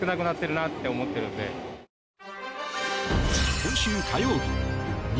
今週火曜日